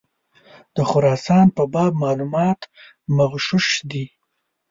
د خراسان په باب معلومات مغشوش دي.